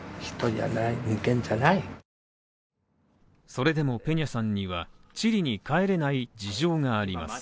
それでもペニャさんにはチリに帰れない事情があります。